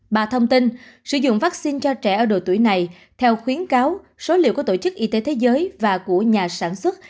bà thông tin sử dụng vaccine cho trẻ ở độ tuổi này theo khuyến cáo số liệu của tổ chức y tế thế giới và của nhà sản xuất